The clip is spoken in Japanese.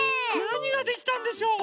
なにができたんでしょう？